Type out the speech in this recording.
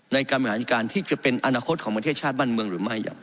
ในการบริหารการที่จะเป็นอนาคตของประเทศชาติบ้านเมืองหรือไม่